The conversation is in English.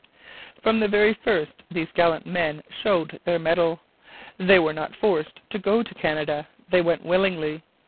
From the very first these gallant men showed their mettle. They were not forced to go to Canada. They went willingly.